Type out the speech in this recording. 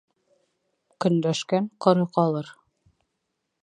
Көнләшкән ҡоро ҡалыр.